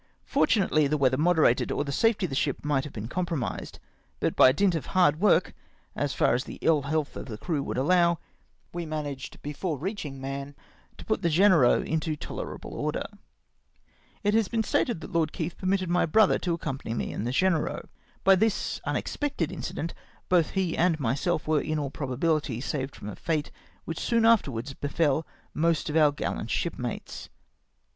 Fortunately the weather moderated, or the safety of the sliip might have been compromised ; but by dint of hard work, as far as the ill health of the crew would allow, we managed, before reaching Mahon, to put the Genereux into tolerable order. It has been stated that Lord Keith permitted my brother to accompany me in the Genei^eux. By this unexpected incident both he and myself were, m all probability, saved from a fete which soon afterwards befel most of our gaUant shipmates.